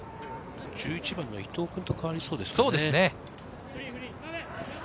１１番の伊東君と代わりそうですね。